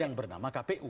yang bernama kpu